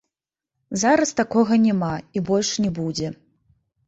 Зараз такога няма і больш не будзе.